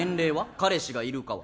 彼氏がいるかは？